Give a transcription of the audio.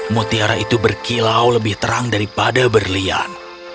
mutiara itu berkilau lebih terang daripada berlian